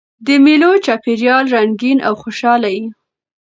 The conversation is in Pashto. د مېلو چاپېریال رنګین او خوشحاله يي.